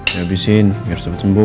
habisin biar cepat sembuh